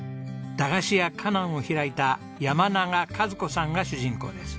だがしやかなんを開いた山永和子さんが主人公です。